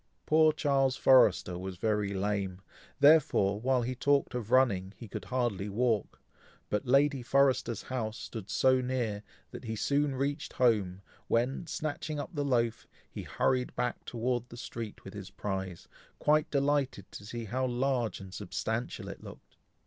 Poor Charles Forrester was very lame, therefore, while he talked of running he could hardly walk, but Lady Forrester's house stood so near, that he soon reached home, when, snatching up the loaf, he hurried back towards the street with his prize, quite delighted to see how large and substantial it looked.